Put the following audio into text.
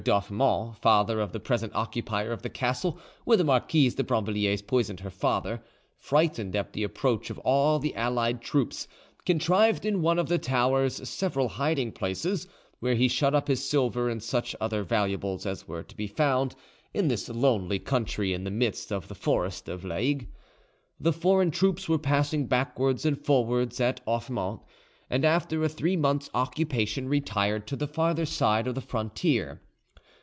d'Offemont, father of the present occupier of the castle where the Marquise de Brinvilliers poisoned her father, frightened at the approach of all the allied troops, contrived in one of the towers several hiding places, where he shut up his silver and such other valuables as were to be found in this lonely country in the midst of the forest of Laigue. The foreign troops were passing backwards and forwards at Offemont, and after a three months' occupation retired to the farther side of the frontier.